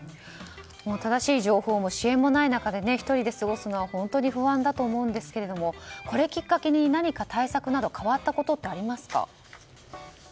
正しい情報も支援もない中で１人で過ごすのは本当に不安だと思うんですけどこれをきっかけに対策など変わったことってありますか？